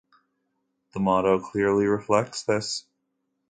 The motto clearly reflects this.